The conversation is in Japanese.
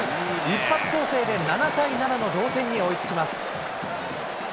一発攻勢で７対７の同点に追いつきます。